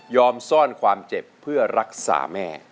ซ่อนความเจ็บเพื่อรักษาแม่